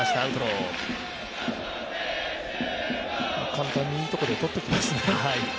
簡単にいいところでとってきますね。